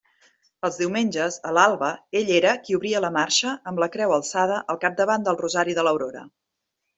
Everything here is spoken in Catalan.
Els diumenges, a l'alba, ell era qui obria la marxa amb la creu alçada al capdavant del rosari de l'aurora.